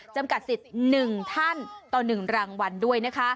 จำกัดสิทธิ์๑ท่านต่อ๑รางวัลด้วยนะคะ